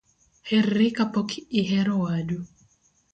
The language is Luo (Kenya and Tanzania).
Herri kapok ihero wadu